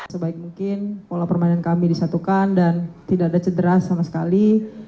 sebaik mungkin pola permainan kami disatukan dan tidak ada cedera sama sekali